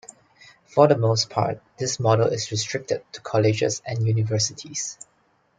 For the most part, this model is restricted to colleges and universities.